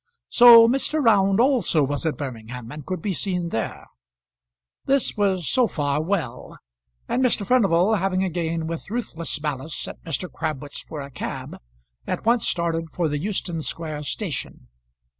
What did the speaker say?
So Mr. Round also was at Birmingham, and could be seen there. This was so far well; and Mr. Furnival, having again with ruthless malice sent Mr. Crabwitz for a cab, at once started for the Euston Square Station.